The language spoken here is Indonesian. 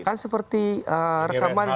kan seperti rekaman